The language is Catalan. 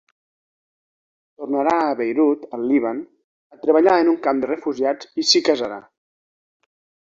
Tornarà a Beirut, al Líban, a treballar en un camp de refugiats i s’hi casarà.